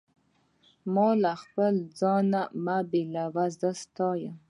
ما له خپل ځانه مه بېلوه، زه ستا یم.